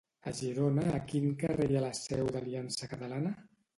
A Girona a quin carrer hi ha la Seu d'Aliança Catalana?